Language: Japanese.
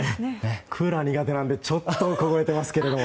クーラー苦手なのでちょっと凍えてますけども。